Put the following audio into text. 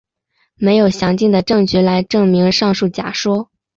没有详尽的证据来证明上述假说。